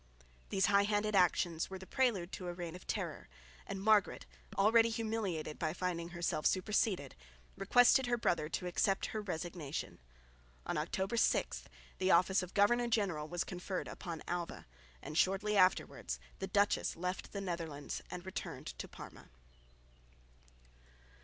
These high handed actions were the prelude to a reign of terror; and Margaret, already humiliated by finding herself superseded, requested her brother to accept her resignation. On October 6 the office of Governor General was conferred upon Alva; and shortly afterwards the duchess left the Netherlands and returned to Parma.